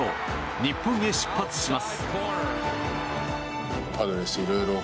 日本へ出発します。